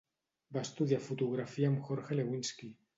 Va estudiar fotografia amb Jorge Lewinski.